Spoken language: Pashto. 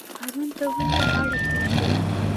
قانون ته ولې غاړه کیږدو؟